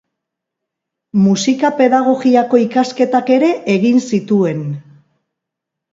Musika-pedagogiako ikasketak ere egin zituen.